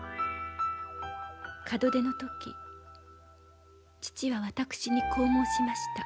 門出の時父は私にこう申しました。